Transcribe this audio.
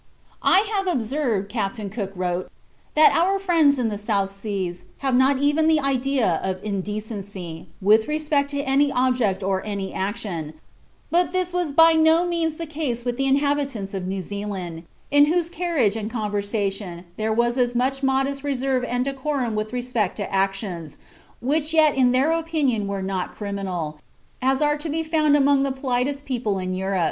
"I have observed," Captain Cook wrote, "that our friends in the South Seas have not even the idea of indecency, with respect to any object or any action, but this was by no means the case with the inhabitants of New Zealand, in whose carriage and conversation there was as much modest reserve and decorum with respect to actions, which yet in their opinion were not criminal, as are to be found among the politest people in Europe.